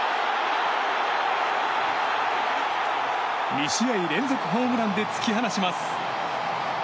２試合連続ホームランで突き放します。